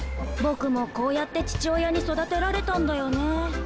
僕もこうやって父親に育てられたんだよね。